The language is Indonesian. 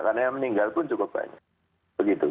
karena yang meninggal pun cukup banyak